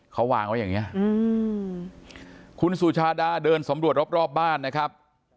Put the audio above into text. เขาวางไว้อย่างนี้คุณสุชาดาเดินสำรวจรอบรอบบ้านนะครับ